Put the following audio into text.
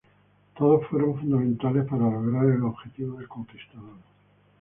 Todos fueron fundamentales para lograr el objetivo del Conquistador.